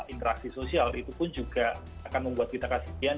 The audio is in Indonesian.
interaksi sosial itu pun juga akan membuat kita kasihan